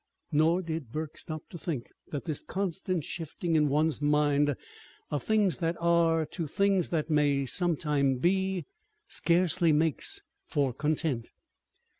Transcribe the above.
Nor did Burke stop to think that this constant shifting, in one's mind, of things that are, to things that may some time be, scarcely makes for content.